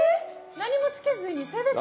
何もつけずにそれだけ？